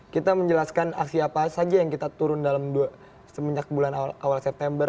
kita menjelaskan aksi apa saja yang kita turun dalam semenjak bulan awal september